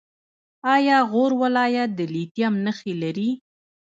آیا غور ولایت د لیتیم نښې لري؟